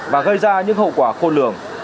và gây ra những hậu quả khôn lường